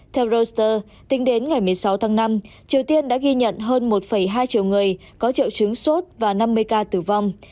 theo rose tính đến ngày một mươi sáu tháng năm triều tiên đã ghi nhận hơn một hai triệu người có triệu chứng sốt và năm mươi ca tử vong